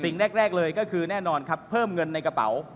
สิ่งแรกเลยก็คือแน่นอนครับเพิ่มเงินในกระเป๋า